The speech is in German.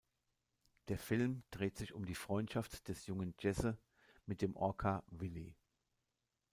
Der Film dreht sich um die Freundschaft des Jungen Jesse mit dem Orca Willy.